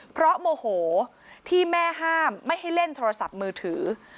เพราะโมโหที่แม่ห้ามไม่ให้เล่นโทรศัพท์มือถือ